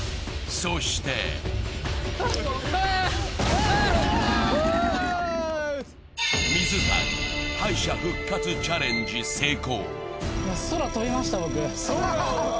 そして水谷、敗者復活チャレンジ成功。